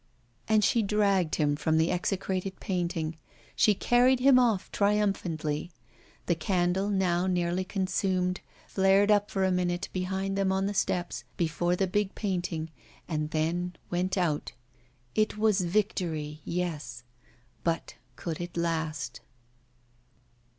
And she dragged him from the execrated painting, she carried him off triumphantly. The candle, now nearly consumed, flared up for a minute behind them on the steps, before the big painting, and then went out. It was victory, yes, but could it last?